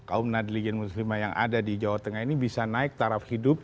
kaum nadlijen muslimah yang ada di jawa tengah ini bisa naik taraf hidup